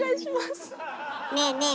ねえねえ